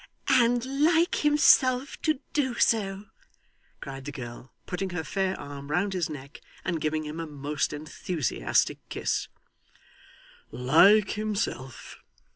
'And like himself to do so!' cried the girl, putting her fair arm round his neck, and giving him a most enthusiastic kiss. 'Like himself!